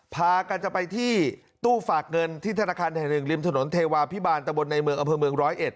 พากันจะไปที่ตู้ฝากเงินที่ธนาคารแห่งหนึ่งริมถนนเทวาพิบาลตะบนในเมืองอำเภอเมืองร้อยเอ็ด